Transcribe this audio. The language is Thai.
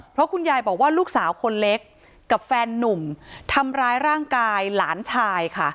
เพราะคุณยายบอกว่าลูกสาวคนเล็กกับแฟนนุ่มทำร้ายร่างกายหลานชายค่ะ